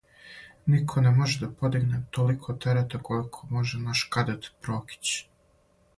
Niko ne može da podigne toliko tereta koliko može naš kadet Prokić.